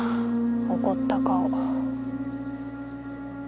怒った顔。